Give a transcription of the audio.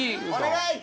お願い！